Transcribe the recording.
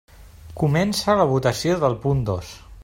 Comença la votació del punt dos.